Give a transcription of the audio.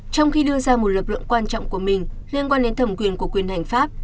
trong khi đưa ra một lực lượng quan trọng của mình liên quan đến thẩm quyền của quyền hành pháp